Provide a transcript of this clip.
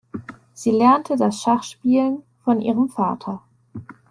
Sie lernte das Schachspielen von ihrem Vater.